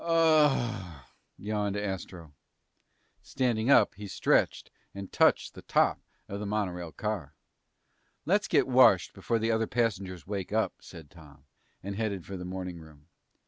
"Ahhhoooohhhhhh!" yawned Astro. Standing up, he stretched and touched the top of the monorail car. "Let's get washed before the other passengers wake up," said Tom, and headed for the morning room.